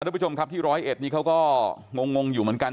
ทุกผู้ชมครับที่ร้อยเอ็ดนี้เขาก็งงอยู่เหมือนกัน